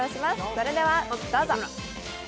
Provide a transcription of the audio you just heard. それではどうぞ！